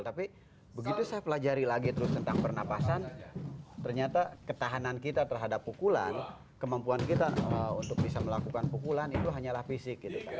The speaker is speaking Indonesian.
tapi begitu saya pelajari lagi terus tentang pernapasan ternyata ketahanan kita terhadap pukulan kemampuan kita untuk bisa melakukan pukulan itu hanyalah fisik gitu kan